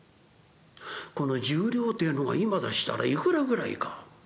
この１０両ってえのが今でしたらいくらぐらいか。